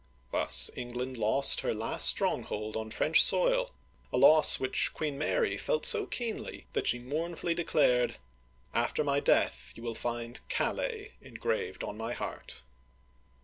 Thus England lost her last stronghold on French soil, a loss which Queen Mary felt so keenly that she mournfully declared :" After my death you will find * Calais * engraved on my heart